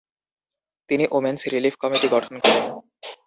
তিনি women's relief committee গঠন করেন।